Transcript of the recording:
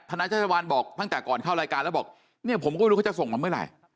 นาชัชวัลบอกตั้งแต่ก่อนเข้ารายการแล้วบอกเนี่ยผมก็ไม่รู้เขาจะส่งมาเมื่อไหร่